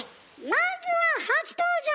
まずは初登場！